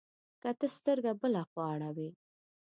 که ته سترګه بله خوا اړوې،